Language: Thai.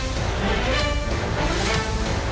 ก็ต้องชมเชยเขาล่ะครับเดี๋ยวลองไปดูห้องอื่นต่อนะครับ